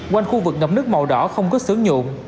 quanh khu vực ngậm nước màu đỏ không có sướng nhuộm